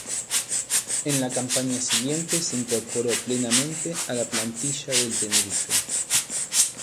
En la campaña siguiente se incorporó plenamente a la plantilla del Tenerife.